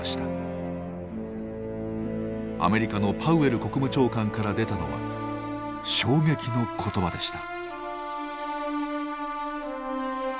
アメリカのパウエル国務長官から出たのは衝撃の言葉でした。